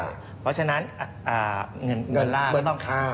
เพราะฉะนั้นเงินดอลลาร์ก็ต้องแข็ง